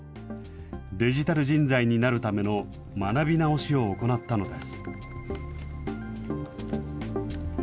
デジタル人材になるための学び直しを行ったのです。